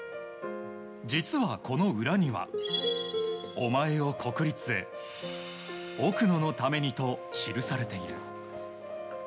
実は、この裏には「お前を国立へ」「奥野のために」と記されている。